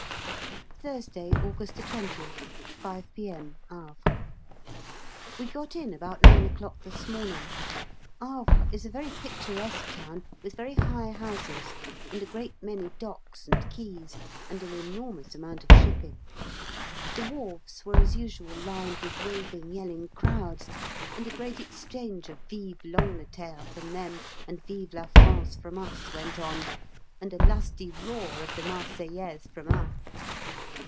Thursday, August 20th, 5 P.M., Havre. We got in about 9 o'clock this morning. Havre is a very picturesque town, with very high houses, and a great many docks and quays, and an enormous amount of shipping. The wharves were as usual lined with waving yelling crowds, and a great exchange of Vive l'Angleterre from them, and Vive la France from us went on, and a lusty roar of the Marseillaise from us.